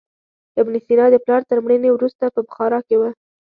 ابن سینا د پلار تر مړینې وروسته په بخارا کې و.